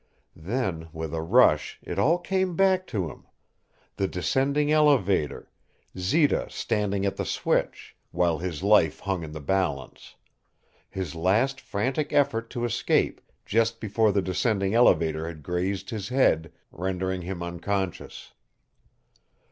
Then, with a rush, it all came back to him the descending elevator, Zita standing at the switch, while his life hung in the balance, his last frantic effort to escape just before the descending elevator had grazed his head, rendering him unconscious.